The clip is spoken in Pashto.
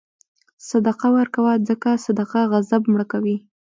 صدقه ورکوه، ځکه صدقه غضب مړه کوي.